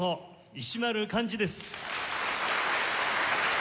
石丸幹二です。